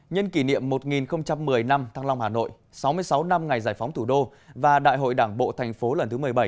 nhân kỷ niệm một nghìn một mươi năm thăng long hà nội sáu mươi sáu năm ngày giải phóng thủ đô và đại hội đảng bộ thành phố lần thứ một mươi bảy